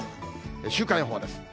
週間予報です。